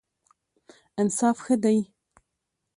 انصاف ښه دی.